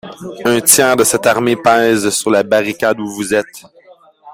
Un tiers de cette armée pèse sur la barricade où vous êtes.